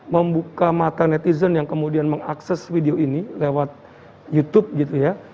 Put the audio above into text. membuka mata netizen yang kemudian mengakses video ini lewat youtube gitu ya